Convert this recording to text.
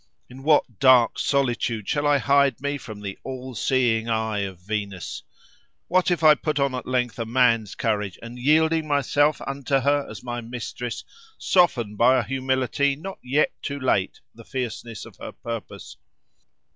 In what dark solitude shall I hide me from the all seeing eye of Venus? What if I put on at length a man's courage, and yielding myself unto her as my mistress, soften by a humility not yet too late the fierceness of her purpose?